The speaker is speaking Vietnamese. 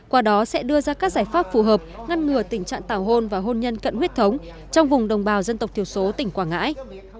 qua đó sẽ đưa ra các giải pháp phù hợp ngăn ngừa tình trạng tảo hôn và hôn nhân cận huyết thống trong vùng đồng bào dân tộc thiểu số tỉnh quảng ngãi